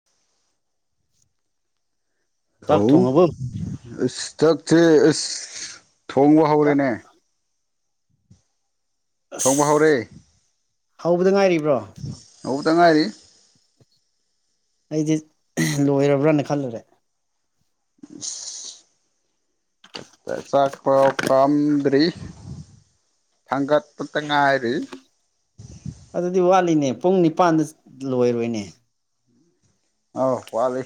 [unintelligible] ꯆꯥꯛ ꯍꯧ ꯊꯣꯡꯉꯕꯣ ꯑꯁ ꯊꯛꯇꯦ ꯑꯁ ꯊꯣꯡꯕ ꯆꯥꯛ ꯍꯧꯔꯦꯅꯦ ꯊꯣꯡꯕ ꯍꯧꯔꯦ ꯑꯁ ꯍꯧꯕꯗ ꯉꯥꯏꯔꯤꯕ꯭ꯔꯣ ꯍꯧꯗ ꯉꯥꯏꯔꯤ ꯑꯩꯗꯤ ꯂꯣꯏꯔꯕ꯭ꯔꯅ ꯈꯜꯂꯨꯔꯦ [unintelligible] ꯆꯥꯛ ꯄꯥꯎ ꯀꯥꯝꯗꯔꯤ ꯊꯥꯡꯒꯠꯄꯇ ꯉꯥꯏꯔꯤ ꯑꯗꯨꯗꯤ ꯋꯥꯠꯂꯤꯅꯦ ꯄꯨꯡ ꯅꯤꯄꯥꯟꯗ ꯂꯣꯏꯔꯣꯏꯅꯦ ꯑꯎ ꯋꯥꯠꯂꯤ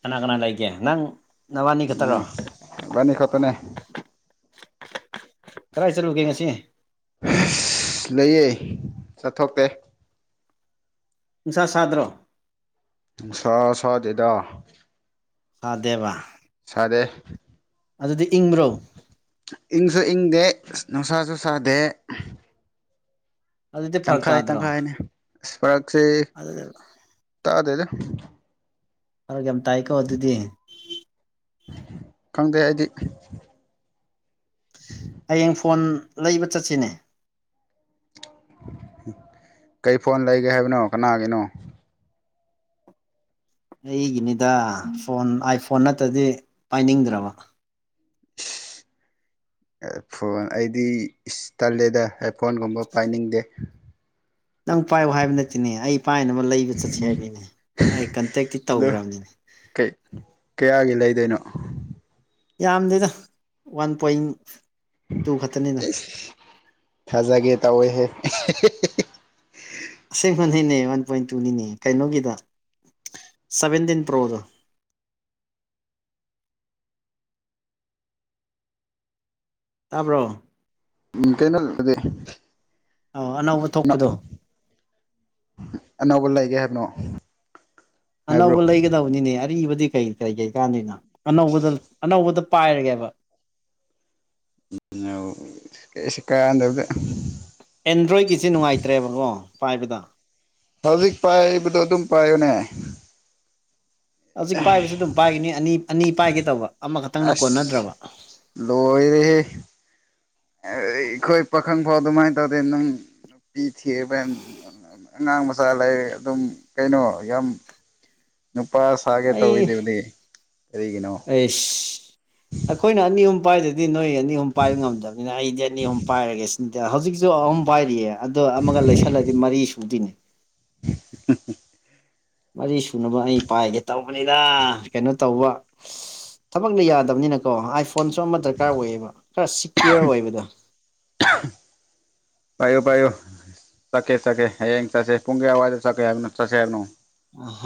ꯀꯅꯥ ꯀꯅꯥ ꯂꯩꯒꯦ ꯅꯪ ꯅꯕꯥꯅꯤ ꯈꯛꯇꯔꯣ ꯑꯣ ꯏꯕꯥꯅꯤ ꯈꯛꯇꯅꯦ ꯀꯗꯥꯥꯏ ꯆꯠꯂꯨꯒꯦ ꯉꯁꯤ ꯍꯤꯁ ꯂꯩꯌꯦ ꯆꯠꯊꯣꯛꯇꯦ ꯅꯨꯡꯁꯥ ꯁꯥꯗ꯭ꯔꯣ ꯅꯨꯡꯁꯥ ꯁꯥꯗꯦꯗ ꯁꯥꯥꯗꯦꯕ ꯁꯥꯗꯦ ꯏꯪꯕ꯭ꯔꯣ ꯏꯪꯁꯨ ꯏꯪꯗꯦ ꯑꯁ ꯅꯨꯡꯁꯥꯁꯨ ꯁꯥꯗꯦ ꯑꯗꯨꯗꯤ ꯐꯔꯛ ꯇꯪꯈꯥꯏ ꯇꯥꯗ꯭ꯔꯣ ꯇꯪꯈꯥꯏꯅꯦ ꯏꯁꯄꯔꯛꯆꯦ [inaudible] ꯇꯥꯗꯦꯗ ꯐꯔꯛ ꯌꯥꯝ ꯇꯥꯏꯀꯣ ꯑꯗꯨꯗꯤ ꯈꯪꯗꯦ ꯑꯩꯗꯤ ꯍꯌꯦꯡ ꯐꯣꯟ ꯂꯩꯕ ꯆꯠꯁꯤꯅꯦ ꯀꯩ ꯐꯣꯟ ꯂꯩꯒꯦ ꯍꯥꯏꯕꯅꯣ ꯀꯅꯥꯒꯤꯅꯣ ꯑꯩꯒꯤꯅꯤꯗ ꯐꯣꯟ ꯑꯥꯏꯐꯣꯟ ꯅꯠꯇꯗꯤ ꯄꯥꯏꯅꯤꯡꯗ꯭ꯔꯕ ꯏꯁ ꯑꯥꯏꯐꯣꯟ ꯑꯩꯗꯤ ꯏꯁ ꯇꯜꯂꯦꯗ ꯀꯣꯟꯒꯨꯝꯕ ꯄꯥꯏꯅꯤꯡꯗꯦ ꯅꯪ ꯄꯥꯏꯌꯣ ꯍꯥꯏꯕ ꯅꯠꯇꯦꯅꯦ ꯑꯩ ꯄꯥꯏꯅꯕ ꯂꯩꯕ ꯆꯠꯁꯦ ꯍꯥꯏꯕꯅꯤꯅꯦ ꯑꯩ ꯀꯟꯇꯦꯛꯇꯤ ꯑꯗꯨ ꯇꯧꯈ꯭ꯔꯕꯅꯤꯅꯦ ꯀꯩ ꯀꯌꯥꯒꯤ ꯂꯩꯗꯣꯏꯅꯣ ꯌꯥꯝꯗꯦꯗ ꯋꯥꯟ ꯄꯣꯏꯟ ꯇꯨ ꯈꯛꯇꯅꯤꯅ ꯏꯁ ꯊꯥꯖꯒꯦ ꯇꯧꯋꯦꯍꯦ ꯑꯁꯦꯡꯕꯅꯤꯅꯦ ꯋꯥꯟ ꯄꯣꯏꯟ ꯇꯨꯅꯤꯅꯦ ꯀꯩꯅꯣꯒꯤꯗꯣ ꯁꯕꯦꯟꯇꯤꯟ ꯄ꯭ꯔꯣꯗꯣ ꯇꯥꯕ꯭ꯔꯣ ꯎꯝ ꯀꯩꯅꯣ [unintelligible] ꯑꯣ ꯑꯅꯧꯕ ꯊꯣꯛꯄꯗꯣ ꯑꯅꯧꯕ ꯂꯩꯒꯦ ꯍꯥꯏꯕꯅꯣ ꯍꯥꯏꯕ꯭ꯔꯣ ꯑꯅꯧꯕ ꯂꯩꯒꯗꯕꯅꯤꯅꯦ ꯑꯔꯤꯕꯗꯤ ꯀꯩ ꯀꯔꯤ ꯀꯩꯀꯥꯟꯅꯤꯅ ꯑꯅꯧꯕ ꯑꯅꯧꯕꯗ ꯄꯥꯏꯔꯒꯦꯕ ꯁꯤ ꯀꯥꯗꯕꯗ ꯑꯦꯟꯗ꯭ꯔꯣꯏꯀꯤꯁꯤꯦ ꯅꯨꯡꯉꯥꯏꯇ꯭ꯔꯦꯕꯀꯣ ꯄꯥꯏꯕꯗ ꯍꯧꯖꯤꯛ ꯄꯥꯏꯕꯗꯣ ꯑꯗꯨꯝ ꯄꯥꯏꯌꯨꯅꯦ ꯍꯧꯖꯤꯛ ꯄꯥꯏꯕꯁꯤ ꯑꯗꯨꯝ ꯄꯥꯏꯒꯅꯤ ꯑꯅꯤ ꯑꯅꯤ ꯄꯥꯏꯒꯦ ꯇꯧꯕ ꯑꯃꯈꯛꯇꯪꯅ ꯀꯣꯟꯅꯗ꯭ꯔꯕ ꯂ ꯑꯣꯏꯗ ꯍꯦ ꯑꯩꯈꯣꯏ ꯄꯥꯈꯪ ꯐꯥꯎ ꯑꯗꯨꯃꯥꯏꯅ ꯇꯧꯗꯦ ꯅꯪ ꯅꯨꯄꯤ ꯊꯤꯕ ꯑꯉꯥꯡ ꯃꯆꯥ ꯂꯩ ꯑꯗꯨꯝ ꯀꯩꯅꯣ ꯌꯥꯝ ꯅꯨꯄꯥ ꯁꯥꯒꯦ ꯑꯩ ꯇꯧꯋꯤꯗꯨꯕꯨꯗꯤ ꯀꯔꯤꯒꯤꯅꯣ ꯑꯩꯈꯣꯏꯅ ꯑꯅꯤ ꯑꯍꯨꯝ ꯄꯥꯏꯗꯗꯤ ꯅꯣꯏ ꯑꯅꯤ ꯑꯍꯨꯝ ꯄꯥꯏꯕ ꯉꯝꯗꯕꯅꯤꯅ ꯑꯩꯗꯤ ꯑꯅꯤ ꯑꯍꯨꯝ ꯄꯥꯏꯔꯒꯦ ꯁꯤꯅꯤꯗꯤ ꯍꯧꯖꯤꯛꯁꯨ ꯑꯍꯨꯝ ꯄꯥꯏꯔꯤꯌꯦ ꯑꯗꯣ ꯑꯃꯒ ꯂꯩꯁꯜꯂꯗꯤ ꯃꯔꯤ ꯁꯨꯗꯣꯏꯅꯦ ꯃꯔꯤ ꯁꯨꯅꯕ ꯑꯩ ꯄꯥꯏꯒꯦ ꯇꯧꯕꯅꯤꯗ ꯀꯩꯅꯣ ꯇꯧꯕ ꯊꯕꯛꯅ ꯌꯥꯗꯕꯅꯤꯅꯀꯣ ꯑꯥꯏꯐꯣꯟꯁꯨ ꯑꯃ ꯗꯔꯀꯥꯔ ꯑꯣꯏꯌꯦꯕ ꯈꯔ ꯁꯤꯀ꯭ꯌꯣꯔ ꯑꯣꯏꯕꯗ [unintelligible] ꯄꯌꯨ ꯄꯌꯨ ꯆꯀꯦ ꯁꯀꯦ ꯍꯌꯦꯡ ꯆꯁꯦ ꯄꯨꯡꯒꯦꯌꯥꯋꯥꯖꯦ ꯁꯀꯦ ꯌꯥꯝꯅ ꯆꯁꯦ ꯌꯥꯝꯕꯅ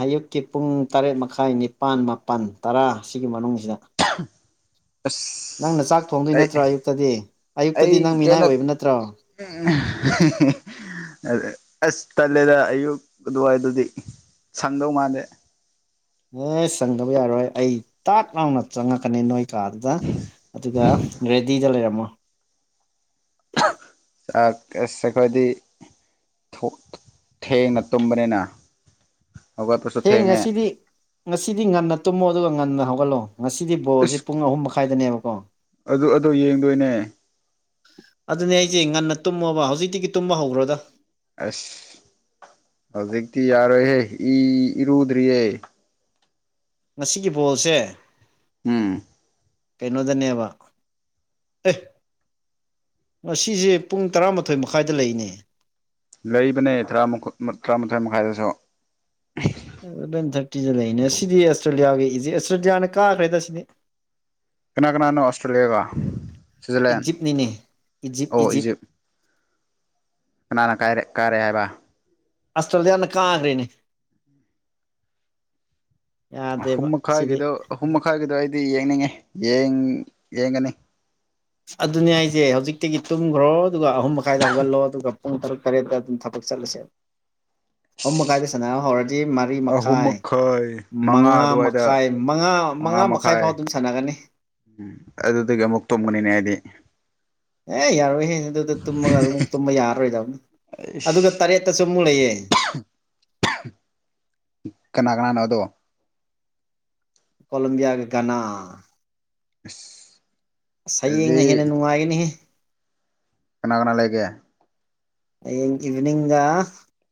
ꯑꯌꯨꯛꯀꯤ ꯄꯨꯡ ꯇꯔꯦꯠ ꯃꯈꯥꯏ ꯅꯤꯄꯥꯜ ꯃꯥꯄꯜ ꯇꯔꯥꯁꯤꯒꯤ ꯃꯅꯨꯡꯁꯤꯗ ꯑꯁ ꯅꯪꯅ ꯆꯥꯛ ꯊꯣꯡꯗꯣꯏ ꯑꯩ ꯅꯠꯇ꯭ꯔꯣ ꯑꯌꯨꯛꯇꯗꯤ ꯑꯌꯨꯛꯇꯗꯤ ꯅꯪ ꯃꯤꯅꯥꯏ ꯑꯣꯏꯕ ꯅꯠꯇ꯭ꯔꯣ ꯎ ꯑ ꯑꯁ ꯇꯜꯂꯦꯗ ꯑꯌꯨꯛ ꯑꯗꯨꯋꯥꯏꯗꯨꯗꯤ ꯁꯪꯗꯧ ꯃꯥꯜꯂꯦ ꯑꯦ ꯆꯪꯗꯕ ꯌꯥꯔꯣꯏ ꯑꯩ ꯇꯥꯛ ꯂꯥꯎꯅ ꯆꯪꯉꯛꯀꯅꯤ ꯅꯣꯏ ꯀꯥꯗꯨꯗ ꯑꯗꯨꯒ ꯔꯦꯗꯤꯗ ꯂꯩꯔꯝꯃꯣ ꯆꯥꯛ ꯆꯦꯈꯣꯏꯗꯤ ꯊꯦꯡꯅ ꯇꯨꯝꯕꯅꯤꯅ ꯍꯧꯒꯠꯄꯁꯨ ꯍꯌꯦ ꯊꯦꯡꯉꯦ ꯉꯁꯤꯗꯤ ꯉꯁꯤꯗꯤ ꯉꯟꯅ ꯇꯨꯝꯃꯣ ꯑꯗꯨꯒ ꯉꯟꯅ ꯍꯧꯒꯠꯂꯣ ꯉꯁꯤꯗꯤ ꯕꯣꯁꯦ ꯏꯁ ꯄꯨꯡ ꯑꯍꯨꯝ ꯃꯈꯥꯏꯗꯅꯦꯕꯀꯣ ꯑꯗꯨ ꯑꯗꯨ ꯌꯦꯡꯗꯣꯏꯅꯦ ꯑꯗꯨꯅꯦ ꯑꯩꯁꯦ ꯉꯟꯅ ꯇꯨꯝꯃꯣꯕ ꯍꯧꯖꯤꯛꯇꯤꯒꯤ ꯇꯨꯝꯕ ꯍꯧꯈ꯭ꯔꯣꯗ ꯑꯁ ꯍꯧꯖꯤꯛꯇꯤ ꯌꯥꯔꯣꯏꯍꯦ ꯏ ꯏꯔꯨꯗ꯭ꯔꯤꯌꯦꯦ ꯉꯁꯤꯒꯤ ꯕꯣꯜꯁꯦ ꯎꯝ ꯀꯩꯅꯣꯗꯅꯦꯕ ꯃꯁꯤꯁꯦ ꯄꯨꯡ ꯇꯔꯥꯃꯥꯊꯣꯏ ꯃꯈꯥꯏꯗ ꯂꯩꯅꯦ ꯂꯩꯕꯅꯦ ꯇꯔꯥ ꯇꯔꯥꯃꯥꯊꯣꯏ ꯃꯈꯥꯏꯗꯁꯨ ꯑꯦꯂꯚꯦꯟ ꯊꯥꯔꯇꯤꯗ ꯂꯩꯅꯦ ꯁꯤꯗꯤ ꯑꯁꯇ꯭ꯔꯦꯂꯤꯌꯥꯒꯤ ꯏꯁꯦ ꯑꯁꯇ꯭ꯔꯦꯂꯤꯌꯥꯅ ꯀꯥꯈ꯭ꯔꯦꯗ ꯁꯤꯗꯤ ꯀꯅꯥ ꯀꯅꯥꯅꯣ ꯑꯣꯁꯇ꯭ꯔꯦꯂꯤꯌꯥꯒ ꯁ꯭ꯋꯤꯖꯔꯂꯦꯟ ꯏꯖꯤꯞꯅꯤꯅꯦ ꯑꯣ ꯏꯖꯤꯞ ꯀꯅꯥꯅ ꯀꯥꯏꯔꯦ ꯀꯥꯏꯔꯦ ꯍꯥꯏꯕ ꯑꯁꯇ꯭ꯔꯗ ꯑꯅ ꯀꯥꯒꯔꯦꯅꯦ ꯌꯥꯗꯦꯕ ꯁꯤꯗꯤ ꯍꯨꯝ ꯃꯈꯥꯏꯒꯤꯗꯣ ꯑꯩꯗꯤ ꯌꯦꯡꯅꯤꯡꯉꯦ ꯌꯦꯡꯒꯅꯤ ꯑꯗꯨꯅꯦ ꯑꯩꯁꯦ ꯍꯧꯖꯤꯛꯇꯒꯤ ꯇꯨꯝꯈ꯭ꯔꯣ ꯑꯗꯨꯒ ꯑꯍꯨꯝ ꯃꯈꯥꯏꯗ ꯍꯧꯒꯠꯂꯣ ꯑꯗꯨꯒ ꯄꯨꯡ ꯇꯔꯨꯛ ꯇꯔꯦꯠꯇ ꯑꯗꯨꯝ ꯊꯕꯛ ꯆꯠꯂꯁꯦ ꯑꯍꯨꯝ ꯃꯈꯥꯏꯗ ꯁꯅ ꯍꯧꯔꯗꯤ ꯃꯔꯤ ꯃꯈꯥꯏ ꯃꯉꯥ ꯃꯈꯥꯏ ꯃꯉꯥ ꯃꯉꯥ ꯃꯈꯥꯏ ꯐꯥꯎ ꯑꯗꯨꯝ ꯁꯥꯟꯅꯒꯅꯤ ꯎꯝ ꯑꯗꯨꯗꯒꯤ ꯑꯃꯨꯛ ꯇꯨꯝꯒꯅꯤꯅꯦ ꯍꯥꯏꯗꯤ ꯑꯦ ꯌꯥꯔꯣꯏꯍꯌꯦ ꯑꯗꯨꯗ ꯇꯨꯝꯃꯒ ꯑꯗꯨ ꯑꯃꯨꯛ ꯇꯨꯝꯕ ꯌꯥꯔꯔꯣꯏꯗꯅꯤ ꯑꯗꯨꯒ ꯏꯁ ꯇꯔꯦꯠ ꯁꯨ ꯃ ꯂꯩꯌꯦ ꯀꯅꯥ ꯀꯅꯥꯅꯣ ꯑꯗꯣ ꯀꯣꯂꯣꯝꯕꯤꯌꯥꯒꯤ ꯀꯅꯥ ꯑ ꯁꯌꯦꯡꯅ ꯍꯦꯟꯅ ꯅꯨꯡꯉꯥꯏꯒꯅꯤꯍ ꯀꯅꯥ ꯀꯅꯥ ꯂꯩꯒꯦ ꯍꯌꯦꯡ ꯏꯚꯤꯅꯤꯡꯒ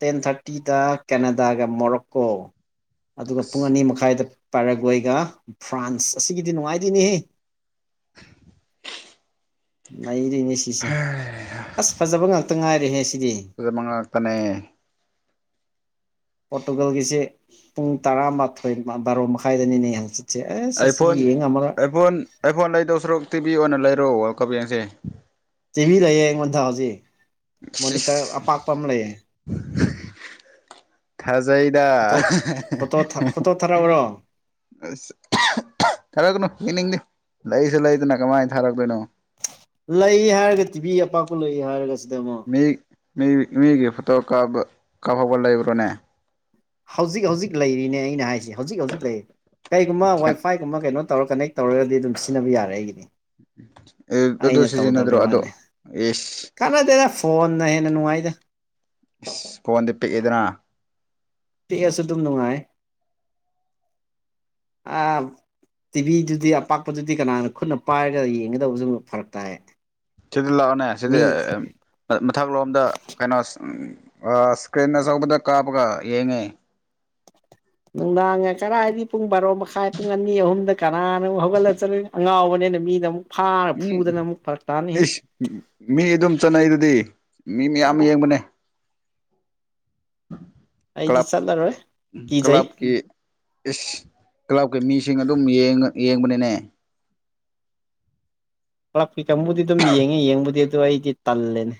ꯇꯦꯟ ꯊꯥꯔꯇꯤꯗ ꯀꯦꯅꯥꯗꯥꯒ ꯃꯣꯔꯣꯛꯀꯣ ꯑꯗꯨꯒ ꯄꯨꯡ ꯑꯅꯤ ꯃꯈꯥꯏꯗ ꯄꯥꯏꯔꯒꯣꯏꯒ ꯐ꯭ꯔꯥꯟꯁ ꯑꯁꯤꯒꯤꯗꯤ ꯅꯨꯡꯉꯥꯏꯗꯣꯏꯅꯤ ꯂꯩꯔꯤꯅꯦ ꯁꯤꯁꯦ ꯑꯁ ꯐꯖꯕ ꯉꯥꯛꯇ ꯉꯥꯏꯔꯦꯍꯦ ꯁꯤꯗꯤ ꯑꯗꯨꯗ ꯃꯉꯥꯛꯇꯅꯦ ꯄꯣꯔꯇꯨꯒꯜꯒꯤꯁꯤꯦ ꯄꯨꯡ ꯇꯔꯥꯃꯥꯊꯣꯏ ꯕꯥꯔꯣ ꯃꯈꯥꯏꯗꯅꯤꯅꯦ ꯍꯪꯆꯤ ꯁꯁ ꯌꯦꯡ ꯉ ꯑꯃꯔ ꯑꯥꯏꯐꯣꯟ ꯑꯩ ꯐꯣꯟ ꯂꯩꯗꯧ ꯁꯔ ꯇꯤ ꯚꯤ ꯑꯣꯏꯅ ꯂꯩꯔꯣ ꯋꯥꯔꯜ ꯀꯞ ꯌꯦꯦꯡꯁꯦ ꯇꯤꯚꯤ ꯂꯩꯌꯦ ꯑꯩꯉꯣꯟꯗ ꯍꯧꯖꯤꯛ ꯃꯣꯅꯤꯇꯔ ꯑꯄꯥꯛꯄ ꯑꯃ ꯂꯩꯌꯦ ꯊꯥꯖꯩꯗ ꯐꯣꯇꯣ ꯐꯣꯇꯣ ꯐꯣꯇꯣ ꯊꯥꯔꯛꯎꯔꯣ ꯑꯁ ꯊꯥꯔꯛꯀꯅꯨ ꯌꯦꯅꯤꯡꯗꯦ ꯂꯩꯁꯨ ꯂꯩꯗꯅ ꯀꯃꯥꯏꯅ ꯊꯥꯔꯛꯇꯣꯏꯅꯣ ꯂꯩ ꯍꯥꯏꯔꯒ ꯇꯤꯚꯤ ꯑꯄꯥꯛꯄ ꯂꯩ ꯍꯥꯏꯔꯒ ꯁꯤꯗ ꯑꯃꯣ ꯃꯤ ꯃꯤ ꯃꯤꯒꯤ ꯐꯣꯇꯣ ꯀꯥꯞꯍꯧꯕ ꯂꯩꯕ꯭ꯔꯣꯅꯦ ꯍꯧꯖꯤꯛ ꯍꯧꯖꯤꯛ ꯂꯩꯔꯤꯅꯦ ꯑꯩꯅ ꯍꯥꯏꯁꯤ ꯍꯧꯖꯤꯛ ꯍꯧꯖꯤꯛ ꯂꯩꯔꯤ ꯀꯩꯒꯨꯝꯕ ꯋꯥꯏꯐꯥꯏꯒꯨꯝꯕ ꯀꯩꯅꯣ ꯇꯧꯔ ꯀꯅ ꯇꯧꯔꯒꯗꯤ ꯑꯗꯨꯝ ꯁꯤꯖꯤꯟꯅꯕ ꯌꯥꯔꯦ ꯑꯩꯒꯤꯗꯤ ꯑꯗꯨ ꯑꯩꯅ ꯁꯤꯖꯤꯟꯅꯗ꯭ꯔꯣ ꯇꯧꯗꯕꯩ ꯑꯗꯣ ꯋꯥꯅꯦ ꯏꯁ ꯀꯥꯟꯅꯗꯦꯅ ꯐꯣꯟꯅ ꯍꯦꯟꯅ ꯅꯨꯡꯉꯥꯏꯗ ꯏꯁ ꯐꯣꯟꯗꯤ ꯄꯤꯛꯑꯦꯗꯅ ꯄꯤꯌꯥꯁꯨ ꯑꯗꯨꯝ ꯅꯨꯡꯉꯥꯏ ꯑ ꯇꯤꯚꯤꯗꯨꯗꯤ ꯑꯄꯥꯛꯄꯗꯨꯗꯤ ꯀꯅꯥꯅ ꯈꯨꯠꯅ ꯄꯥꯏꯔꯒ ꯌꯦꯡꯒꯗꯕꯁꯨ ꯐꯔꯛ ꯇꯥꯏ ꯁꯤꯗꯤ ꯂꯑꯣꯅꯦ ꯁꯤꯗꯤ ꯃꯤ ꯃꯊꯛ ꯂꯣꯝꯗ ꯀꯩꯅꯣ ꯏꯁ꯭ꯀ꯭ꯔꯤꯟ ꯑꯆꯧꯕꯗ ꯀꯥꯞꯕꯒ ꯌꯦꯡꯉꯤ ꯅꯨꯡꯗꯥꯡꯉ ꯀꯗꯥꯥꯏꯗꯤ ꯄꯨꯡ ꯕꯥꯔꯣ ꯃꯈꯥꯏ ꯄꯨꯡ ꯑꯅꯤ ꯑꯍꯨꯝꯗ ꯀꯅꯥꯅ ꯑꯃꯨꯛ ꯍꯧꯒꯠꯂ ꯆꯠꯂꯨꯏ ꯑꯉꯥꯎꯕꯅꯤꯅ ꯃꯤꯅ ꯑꯃꯨꯛ ꯐꯥꯔ ꯎꯝ ꯐꯨꯗꯅ ꯑꯃꯨꯛ ꯐꯔꯛ ꯇꯥꯅꯤ ꯏꯁꯁ ꯃꯤ ꯑꯗꯨꯝ ꯆꯠꯅꯩꯗꯨꯗꯤ ꯃꯤ ꯃꯌꯥꯝ ꯌꯦꯡꯕꯅꯦ ꯑꯩꯗꯤ ꯀ꯭ꯂꯕ ꯀ꯭ꯂ ꯆꯠꯂꯔꯣꯏ ꯀꯤꯖꯩ ꯀ꯭ꯂꯕꯀꯤ ꯏꯁ ꯀ꯭ꯂꯕꯀꯤ ꯃꯤꯁꯤꯡ ꯑꯗꯨꯝ ꯌꯦꯡꯕꯅꯤꯅꯦ ꯄꯨꯂꯞ ꯀꯤꯀꯪꯕꯨꯗꯤ ꯑꯗꯨꯝ ꯌꯦꯡꯉꯦ ꯌꯦꯡꯕꯨꯗꯤ ꯑꯗꯨ ꯑꯩꯗꯤ ꯇꯜꯂꯦꯅꯦ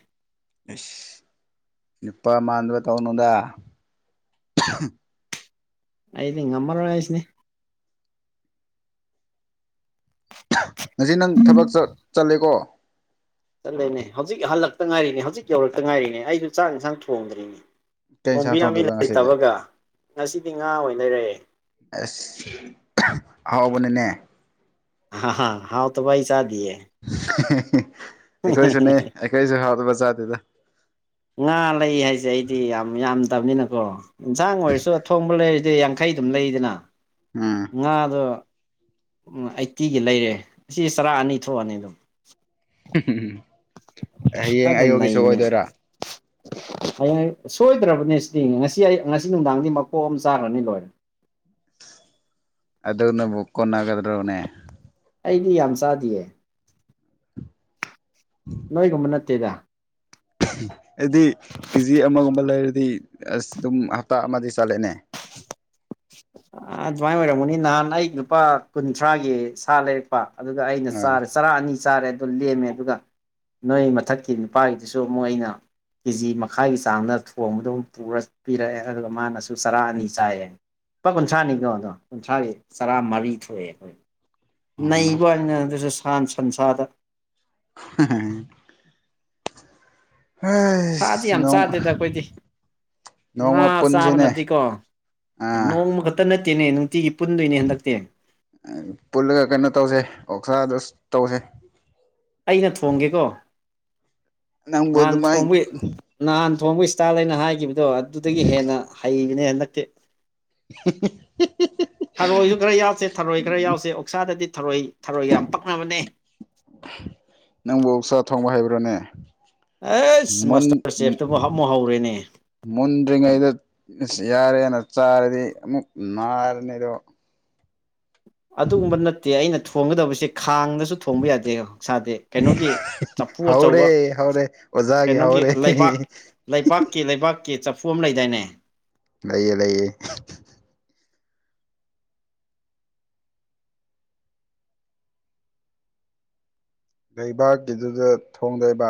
ꯁ ꯏꯄꯥ ꯃꯥꯟꯗ꯭ꯔ ꯇꯧꯅꯗ ꯑꯩꯗꯤ ꯉꯃ ꯃꯔ ꯋꯥ ꯍꯥꯏꯥꯏꯁꯅꯦ ꯉꯁꯤ ꯅꯪ ꯊꯕꯛ ꯆꯠꯂꯦꯀꯣ ꯆꯠꯂꯅꯦ ꯍꯧꯖꯤꯛ ꯍꯜꯂꯛꯇ ꯉꯥꯏꯔꯤꯅꯦ ꯍꯧꯖꯤꯛ ꯌꯧꯔꯛꯇ ꯉꯥꯏꯔꯤꯅꯦ ꯑꯩꯁꯨ ꯆꯥꯛ ꯏꯟꯁꯥꯡ ꯊꯣꯡꯗ꯭ꯔꯤꯅꯦ ꯀꯩ ꯏꯟꯁꯥꯡ ꯐꯣꯝꯕꯤꯅꯕꯤ ꯊꯣꯡꯗꯣꯏꯕ ꯉꯁꯤꯗꯤ ꯂꯩꯇꯕꯒ ꯉꯁꯤꯗꯤ ꯉꯥ ꯑꯣꯏꯅꯔꯛꯑꯦ ꯑꯁ ꯍꯥꯎꯕꯅꯦꯅꯦ ꯍꯥ ꯍꯥꯎ ꯇꯕꯏ ꯆꯥꯗꯤꯦ ꯑꯩꯈꯣꯏꯁꯨꯅꯦ ꯑꯩꯈꯣꯏꯁꯨ ꯍꯥꯎꯗ ꯕꯖꯥꯔꯗꯨꯗ ꯉꯥ ꯂꯩ ꯍꯥꯏꯁꯦ ꯑꯩꯗꯤ ꯌꯥꯝ ꯌꯥꯝꯗꯕꯅꯤꯅꯀꯣ ꯌꯦꯟꯁꯥꯡ ꯑꯣꯏꯔꯁꯨ ꯑ ꯊꯣꯡꯕ ꯂꯩꯔꯤꯗꯤ ꯌꯥꯡꯈꯩ ꯑꯗꯨꯝ ꯂꯩꯗꯅ ꯎꯝ ꯉꯥꯗꯣ ꯑꯩꯠꯇꯤꯒꯤ ꯂꯩꯔꯦ ꯑꯁꯤ ꯆꯔꯥ ꯑꯅꯤ ꯊꯣꯛꯑꯅꯤ ꯑꯗꯨꯝ ꯍꯌꯦꯡ ꯑꯗꯨꯝ ꯑꯌꯨꯒꯤꯁꯨ ꯅꯩꯕꯅꯦ ꯑꯣꯏꯗꯣꯏꯔꯥ [inaudible] ꯍꯌꯦꯡ ꯁꯣꯏꯗ꯭ꯔꯕꯅꯦ ꯁꯤꯗꯤ ꯉꯁꯤ ꯑꯩ ꯉꯁꯤ ꯅꯨꯡꯗꯥꯡꯗꯤ ꯃꯀꯣꯛ ꯑꯃ ꯆꯥꯔꯅꯤ ꯂꯣꯏꯔꯦ ꯑꯗꯨꯗ ꯅꯕꯨꯛꯣꯟꯅꯒꯗ꯭ꯔꯧꯅꯦ ꯑꯩꯗꯤ ꯌꯥꯝ ꯆꯥꯗꯌꯦ ꯎꯝ ꯅꯣꯏꯒꯨꯝꯕ ꯅꯠꯇꯦꯗ ꯑꯗꯨꯗꯤ ꯀꯦꯖꯤ ꯑꯃꯒꯨꯝꯕ ꯂꯩꯔꯗꯤ ꯑꯁ ꯑꯗꯨꯝ ꯍꯞꯇꯥ ꯑꯃꯗꯤ ꯆꯥꯂꯦꯅꯦ ꯑꯗꯨꯃꯥꯏꯅ ꯑꯣꯏꯔꯝꯃꯅꯤ ꯅꯍꯥꯟ ꯑꯩ ꯂꯨꯄꯥ ꯀꯨꯟꯊ꯭ꯔꯥꯒꯤ ꯁꯥꯠꯂꯦ ꯑꯗꯨꯒ ꯑꯩꯅ ꯑꯥ ꯆꯥꯔꯦ ꯆꯔꯥ ꯑꯅꯤ ꯆꯥꯔꯦ ꯑꯗꯨ ꯂꯦꯝꯃꯦ ꯑꯗꯨꯒ ꯅꯣꯏ ꯃꯊꯛꯀꯤ ꯅꯨꯄꯥꯒꯤꯗꯨꯁꯨ ꯑꯃꯨꯛ ꯑꯩꯅ ꯀꯦꯖꯤ ꯃꯈꯥꯏꯒꯤ ꯆꯥꯡꯗ ꯊꯣꯡꯕꯗꯝ ꯄꯤꯔꯛꯑꯦ ꯑꯗꯨꯒ ꯃꯥꯅꯁꯨ ꯆꯔꯥ ꯑꯅꯤ ꯆꯥꯏꯌꯦ ꯂꯨꯄꯥ ꯀꯨꯟꯊ꯭ꯔꯥꯅꯤꯀꯣ ꯑꯗꯣ ꯀꯨꯟꯊ꯭ꯔꯥꯒꯤ ꯆꯔꯥꯃꯔꯤ ꯊꯣꯛꯑꯦ ꯑꯩꯈꯣꯏ ꯅꯩꯕ ꯍꯥꯏꯅ ꯑꯗꯨꯁꯨ ꯁꯟ ꯁꯟꯁꯥꯗ ꯍ ꯁꯥꯗꯤ ꯍꯩꯁ ꯌꯥꯝ ꯅꯣꯡ ꯆꯥꯗꯦꯗ ꯑꯩꯈꯣꯏꯗꯤ ꯅꯣꯡꯃ ꯑꯥ ꯆꯥꯕ ꯅ ꯄꯨꯟꯁꯤꯅꯦ ꯀꯣ ꯑꯥ ꯅꯣꯡꯣꯡ ꯍꯇ ꯅꯠꯇꯦꯅꯦ ꯅꯨꯡꯇꯤꯒꯤ ꯄꯨꯟꯗꯣꯏꯅꯦ ꯍꯟꯗꯛꯇꯦ ꯄꯨꯜꯂꯒ ꯀꯩꯅꯣ ꯇꯧꯁꯦ ꯑꯣꯛꯁꯥꯗ ꯇꯧꯁꯦ ꯑꯩꯅ ꯊꯣꯡꯒꯦꯀꯣ ꯅꯪꯕꯨ ꯅꯍꯥꯟ ꯑꯗꯨꯃꯥꯏ ꯊꯣꯡꯕ ꯅꯍꯥꯟ ꯊꯣꯡꯕ ꯏꯁꯇꯥꯏꯜ ꯍꯥꯏꯅ ꯍꯥꯏꯈꯤꯕꯗꯣ ꯑꯗꯨꯗꯒꯤ ꯍꯦꯟꯅ ꯍꯩꯕꯅꯦ ꯍꯟꯗꯛꯛꯇꯤ [inaudible] ꯊꯔꯣꯏꯁꯨ ꯈꯔ ꯌꯥꯎꯁꯦ ꯊꯔꯣꯏ ꯈꯔ ꯌꯥꯎꯁꯦ ꯑꯣꯛꯁꯥꯗꯗꯤ ꯊꯔꯣꯏ ꯊꯔꯣꯏꯒ ꯌꯥꯝ ꯄꯛꯅꯕꯅꯦ ꯅꯪꯕꯨ ꯆꯥꯛ ꯊꯣꯡꯕ ꯍꯥꯏꯕ꯭ꯔꯣꯅꯦ ꯑꯩꯁ ꯃꯥꯁꯇꯔ ꯆꯦꯐꯇꯨꯕꯨ ꯍꯥꯞꯃꯨ ꯍꯧꯔꯦꯅꯦ ꯃꯨꯟꯗ꯭ꯔꯤꯉꯩꯗ ꯌꯥꯔꯦꯅ ꯆꯥꯔꯗꯤ ꯑꯃꯨꯛ ꯅꯥꯔꯅꯤꯗꯣ ꯑꯗꯨꯒꯨꯝꯕ ꯅꯠꯇꯦ ꯑꯩꯅ ꯊꯣꯡꯒꯗꯕꯁꯦ ꯈꯥꯡꯗꯁꯨ ꯊꯣꯡꯕ ꯌꯥꯗꯦ ꯍꯁꯥꯗꯤ ꯀꯩꯅꯣꯒꯤ ꯆꯐꯨ ꯑꯆꯧꯕ ꯍꯧꯔꯦ ꯍꯧꯔꯦ ꯑꯣꯖꯥꯒꯤ ꯀꯩꯅꯣꯒꯤ ꯍꯧꯔꯦ ꯂꯩꯕꯥꯛ ꯂꯩꯄꯥꯛꯥꯛꯀꯤ ꯂꯩꯕꯥꯛꯀꯤ ꯆꯐꯨ ꯑꯃ ꯂꯩꯗꯥꯏꯅꯦ ꯂꯩꯌꯦ ꯂꯩꯌꯦ ꯂꯩꯕꯥꯛꯀꯤꯗꯨꯗ ꯊꯣꯡ ꯂꯩꯕ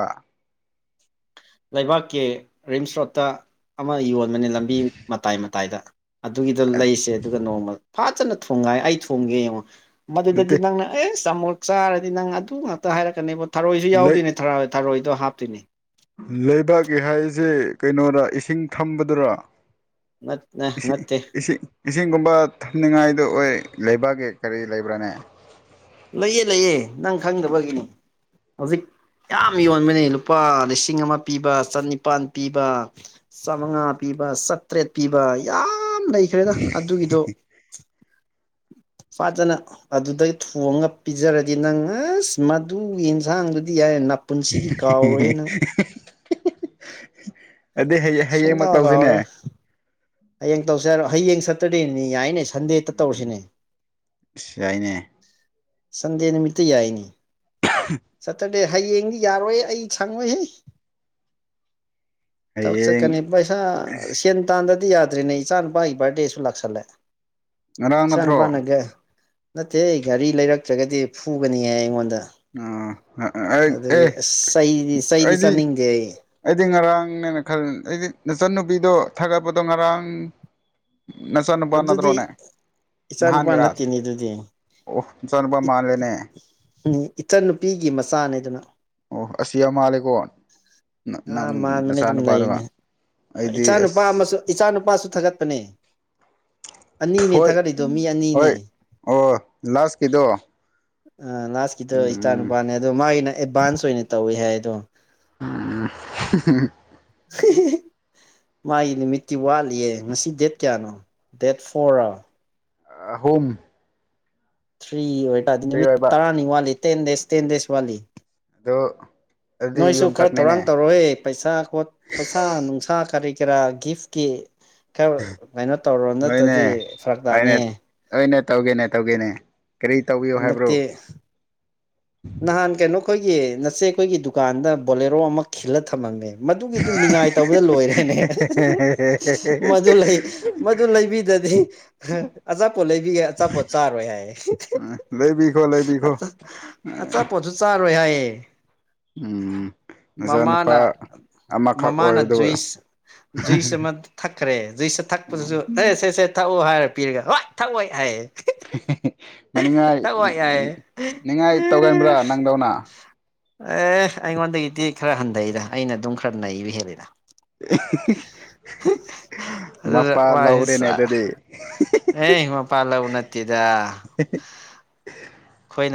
ꯂꯩꯕꯥꯛꯀꯤ ꯔꯤꯝꯁ ꯔꯣꯠꯇ ꯑꯃ ꯌꯣꯟꯕꯅꯤ ꯂꯝꯕꯤ ꯃꯇꯥꯏ ꯃꯇꯥꯏꯗ ꯑꯗꯨꯒꯤꯗ ꯂꯩꯁꯦ ꯑꯗꯨꯒ ꯅꯣꯡꯃ ꯐꯖꯅ ꯊꯣꯡꯉꯥꯏ ꯑꯩ ꯊꯣꯡꯒꯦ ꯌꯦꯡꯉꯣ ꯃꯗꯨꯗꯗꯤ ꯅꯠꯇꯦ ꯅꯪꯅ ꯑꯦ ꯆꯥꯃꯣꯠ ꯆꯥꯔꯗꯤ ꯅꯪ ꯑꯗꯨ ꯉꯥꯛꯇ ꯍꯥꯏꯔꯛꯀꯅꯦꯕ ꯊꯔꯣꯏꯁꯨ ꯂꯩ ꯌꯥꯎꯗꯣꯏꯅꯦ ꯊꯔꯣꯏꯗꯣ ꯍꯥꯞꯇꯣꯏꯅꯦ ꯂꯩꯕꯥꯛꯀꯤ ꯍꯥꯏꯁꯦ ꯀꯩꯅꯣꯔ ꯏꯁꯤꯡ ꯊꯝꯕꯗꯨꯔꯥ ꯏꯦ ꯅꯠꯇꯦ ꯏꯁꯤꯦ ꯏꯁꯤꯡꯒꯨꯝꯕ ꯊꯝꯅꯤꯡꯉꯥꯏꯗ ꯑꯣꯏ ꯂꯩꯕꯥꯛꯀꯤ ꯀꯔꯤ ꯂꯩꯕ꯭ꯔꯥꯅꯦ ꯂꯩꯑ ꯂꯩꯌꯦ ꯅꯪ ꯈꯪꯗꯕꯒꯤꯅꯤ ꯍꯧꯖꯤꯛ ꯌꯥꯝ ꯌꯣꯟꯕꯅꯤ ꯂꯨꯄꯥ ꯂꯤꯁꯤꯡ ꯑꯃ ꯄꯤꯕ ꯆꯅꯤꯄꯥꯟ ꯄꯤꯕ ꯆꯃꯉꯥ ꯄꯤꯕ ꯁꯇ꯭ꯔꯦꯠ ꯄꯤꯕ ꯌꯥꯝ ꯂꯩꯈ꯭ꯔꯦꯗ ꯑꯗꯨꯒꯤꯗꯣ ꯐꯖꯅ ꯑꯗꯨꯗꯩ ꯊꯨꯑꯉ ꯄꯤꯖꯔꯗꯤ ꯅꯪ ꯑꯁ ꯃꯗꯨꯒꯤ ꯌꯦꯟꯁꯥꯡꯗꯨꯗꯤ ꯌꯥꯏꯞ ꯄꯨꯟꯁꯤꯒꯤ ꯀꯥꯎꯔꯣꯏ ꯍꯥꯏꯅ ꯑꯗꯨꯗꯤ ꯍꯌꯦꯡ ꯍꯌꯦꯡꯃꯛ ꯁꯨꯡꯀꯥꯎ ꯀꯥꯎꯔꯣꯏ ꯇꯧꯁꯤꯅꯦ ꯍꯌꯦꯡ ꯇꯧꯁꯦ ꯍꯥꯏꯔꯣ ꯍꯌꯦꯡ ꯁꯇꯔꯗꯦꯅꯤ ꯌꯥꯏꯅꯦ ꯁꯟꯗꯦꯇ ꯎꯝ ꯇꯧꯔꯁꯤꯅꯦ ꯑꯁ ꯌꯥꯏꯅꯦ ꯁꯟꯗꯦ ꯅꯨꯃꯤꯠꯇ ꯌꯥꯏꯅꯤ ꯁꯠꯇ ꯑꯦ ꯍꯌꯦꯡꯗꯤ ꯌꯥꯔꯣꯏ ꯑꯩ ꯁꯪꯉꯣꯏꯍꯦ ꯊꯕꯛ ꯍꯌꯦꯡ ꯆꯠꯀꯅꯤ ꯄꯩꯁꯥ ꯁꯦꯟ ꯇꯥꯟꯗꯗꯤ ꯌꯥꯗ ꯇ꯭ꯔꯤꯅꯦ ꯏꯆꯥ ꯅꯨꯄꯥꯒꯤ ꯕꯥꯔꯗꯦꯁꯨ ꯂꯥꯛꯁꯜꯂꯦ ꯉꯔꯥꯡ ꯏꯆꯥ ꯅꯠꯇ꯭ꯔꯣ ꯅꯨꯄꯥꯅꯒ ꯅꯠꯇꯦ ꯑꯩ ꯒꯥꯔꯤ ꯂꯩꯔꯛꯇ꯭ꯔꯒꯗꯤ ꯐꯨꯒꯅꯤ ꯍꯥꯏ ꯑꯩꯉꯣꯟꯗ ꯑ ꯑꯗꯨꯒꯤ ꯑꯦ ꯑꯁ ꯆꯩꯗꯤ ꯆꯩꯗꯤ ꯑꯩꯗꯤ ꯆꯥꯅꯤꯡꯗꯦ ꯑꯩ ꯑꯩꯗꯤ ꯉꯔꯥꯡꯅꯦꯅ ꯈꯜꯂꯤ ꯑꯩꯗꯤ ꯅꯆꯟꯅꯨꯄꯤꯗꯣ ꯊꯥꯒꯠꯄꯗꯣ ꯉꯔꯥꯡ ꯅꯆꯥ ꯅꯨꯄꯥꯥ ꯑꯗꯨꯗꯤ ꯅꯠꯇ꯭ꯔꯣꯅꯦ ꯏꯆꯥꯅꯨꯄꯥ ꯅꯍꯥꯟꯒꯦꯔꯥ ꯅꯠꯇꯦꯅꯦ ꯑꯗꯨꯗꯤ ꯑꯣ ꯃꯆꯥ ꯅꯨꯄꯥ ꯃꯥꯥꯟꯂꯅꯦ ꯎꯝ ꯏꯆꯟ ꯅꯨꯄꯤꯒꯤ ꯃꯆꯥꯅꯦꯗꯨꯅ ꯑꯣ ꯑꯁꯂꯝꯂꯀꯝ [inaudible] ꯑ ꯃꯥꯟꯕꯅꯦ ꯑꯗꯨꯝ ꯅꯩꯕꯥꯅꯤ ꯑꯩꯗꯤ ꯏꯆꯥ ꯅꯨꯨꯄꯥ ꯑꯁ ꯑꯃꯁꯨ ꯏꯆꯥ ꯅꯨꯨꯄꯥꯁꯨ ꯊꯥꯒꯠꯄꯅꯦ ꯑꯅꯤꯅꯦ ꯍꯣꯏ ꯊꯥꯒꯠꯂꯤꯗꯣ ꯃꯤ ꯑꯅꯤꯅꯦ ꯍꯣꯏ ꯑꯣ ꯂꯥꯁꯀꯤꯗꯣ ꯑ ꯂꯥꯁꯀꯤꯗꯣ ꯏꯇꯥ ꯎꯝ ꯅꯨꯨꯄꯥꯅꯦ ꯑꯗꯣ ꯃꯥꯒꯤꯅ ꯑꯦꯗꯚꯥꯟꯁ ꯑꯣꯏꯅ ꯇꯧꯋꯦ ꯍꯥꯏ ꯑꯗꯣ ꯎꯝ [unintelligible] ꯃꯥꯒꯤ ꯅꯨꯃꯤꯠꯇꯤ ꯋꯥꯠꯂꯤꯌꯦ ꯉꯁꯤ ꯗꯦꯠ ꯀꯌꯥꯅꯣ ꯗꯦꯠ ꯐꯣꯔꯔꯣ ꯑꯍꯨꯝ ꯊ꯭ꯔꯤ ꯑꯣꯏꯇꯥꯔꯗꯤ ꯐ꯭ꯔꯤ ꯅꯨꯃꯤꯠ ꯑꯣꯏꯕ ꯇꯔꯥꯅꯤ ꯋꯥꯠꯂꯤ ꯇꯦꯟ ꯗꯦꯖ ꯇꯦꯟ ꯗꯦꯖ ꯋꯥꯠꯂꯤ ꯑꯗꯨ ꯑꯗꯨꯗꯤ ꯅꯣꯏꯁꯨ ꯌꯨꯝ ꯈꯔ ꯆꯠꯅꯤꯅꯦ ꯊꯧꯔꯥꯡ ꯇꯧꯔꯣꯍꯦ ꯄꯩꯁꯥ ꯀꯣꯠ ꯄꯩꯁꯥ ꯅꯨꯡꯁꯥ ꯀꯔꯤ ꯀꯔꯥ ꯒꯤꯐꯀꯤ ꯈꯔ ꯀꯩꯅꯣ ꯇꯧꯔꯣ ꯍꯣꯏꯅꯦ ꯅꯠꯇꯔꯥꯗꯤ ꯐꯔꯛ ꯍꯣꯏꯅꯦ ꯇꯥꯅꯤꯌꯦ ꯍꯣꯏꯅꯦ ꯇꯧꯒꯦꯅꯦ ꯇꯧꯒꯦꯅꯦ ꯀꯔꯤ ꯇꯧꯕꯤꯌꯨ ꯍꯥꯏꯕ꯭ꯔꯣ ꯍꯟꯗꯛꯇꯤ ꯅꯍꯥꯟ ꯀꯩꯅꯣꯈꯣꯏꯒꯤ ꯅꯆꯦꯈꯣꯏꯒꯤ ꯗꯨꯀꯥꯟꯗ ꯕꯣꯂꯦꯔꯣ ꯑꯃ ꯈꯤꯜꯂ ꯊꯝꯃꯝꯃꯦꯕ ꯃꯗꯨꯒꯤꯗꯨ ꯅꯤꯡꯉꯥꯏ ꯇꯧꯕꯗ ꯂꯣꯏꯔꯦꯅꯦ ꯃꯗꯨ ꯂꯩ ꯃꯗꯨ ꯂꯩꯕꯤꯗꯗꯤ ꯑꯆꯥꯄꯣꯠ ꯂꯩꯕꯤꯒꯦ ꯑꯆꯥꯄꯣꯠ ꯆꯥꯔꯣꯏ ꯍꯥꯏꯌꯦ ꯂꯩꯕꯤꯈꯣ ꯂꯩꯕꯤꯈꯣ ꯑꯆꯥꯄꯣꯠꯁꯨ ꯆꯥꯔꯣꯏ ꯍꯥꯏꯌꯦ ꯎꯝ ꯃꯆꯥ ꯅꯨꯄꯥ ꯃꯃꯥꯅ ꯃꯃꯥꯅ ꯖꯨꯏꯁ ꯖꯨꯏꯁ ꯑꯃ ꯊꯛꯈ꯭ꯔꯦ ꯖꯨꯏꯁ ꯊꯛꯄꯗꯁꯨ ꯎꯝ ꯑꯦ ꯁꯦ ꯁꯦ ꯊꯛꯎꯑꯣ ꯍꯥꯏꯔ ꯄꯤꯔꯒ ꯍꯣꯏ ꯊꯛꯑꯣꯏ ꯍꯥꯏꯌꯦ ꯃꯅꯤꯡꯉꯥꯏ ꯊꯛꯑꯣꯏ ꯍꯥꯏꯌꯦ ꯅꯤꯡꯉꯥꯏ ꯇꯧꯒꯕ꯭ꯔꯥ ꯅꯪꯗꯧꯅ ꯑꯦ ꯑꯩꯉꯣꯟꯗꯒꯤꯗꯤ ꯈꯔ ꯍꯟꯊꯩꯗ ꯑꯩꯅ ꯑꯗꯨꯝ ꯈꯔ ꯅꯩꯕ ꯍꯦꯜꯂꯤꯗ ꯑꯗꯨꯗ ꯃꯄꯥ ꯃꯥꯁꯦ ꯂꯧꯔꯦꯅꯦ ꯑꯗꯨꯗꯤ ꯑꯦ ꯃꯄꯥ ꯂꯧꯕ ꯅꯠꯇꯦꯗ ꯈꯣꯏꯅ